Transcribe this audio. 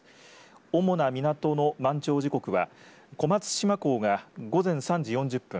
主な港の満潮時刻は小松島港が午前３時４０分